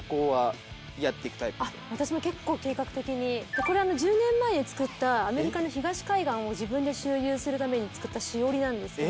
これ１０年前に作ったアメリカの東海岸を自分で周遊するために作ったしおりなんですけど。